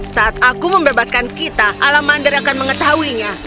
saat aku membebaskan kita alamander akan mengetahuinya